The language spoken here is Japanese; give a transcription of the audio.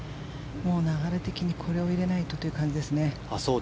流れ的にこれを入れないとという感じですね。